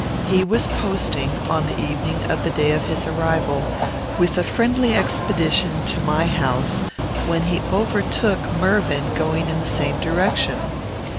He was posting, on the evening of the day of his arrival, with a friendly expedition, to my house, when he overtook Mervyn going in the same direction.